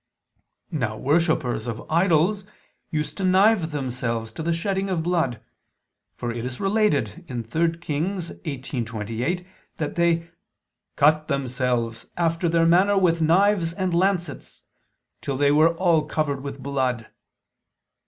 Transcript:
Now worshippers of idols used to knive themselves to the shedding of blood: for it is related (3 Kings 18:28) that they "cut themselves after their manner with knives and lancets, till they were all covered with blood."